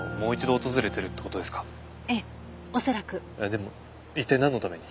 でも一体なんのために？